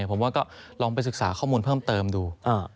ผมว่าก็ลองไปศึกษาข้อมูลเพิ่มเติมดู